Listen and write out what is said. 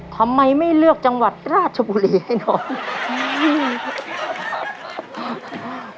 ทำไมไม่เลือกจังหวัดราชบุรีแน่นอน